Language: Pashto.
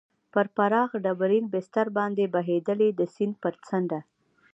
پر پراخ ډبرین بستر باندې بهېدلې، د سیند پر څنډه.